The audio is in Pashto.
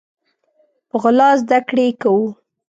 په غلا زده کړي کوو